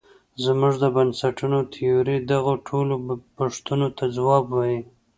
زموږ د بنسټونو تیوري دغو ټولو پوښتونو ته ځواب وايي.